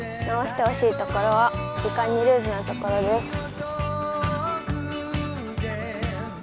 直してほしいところは、時間にルーズなところです。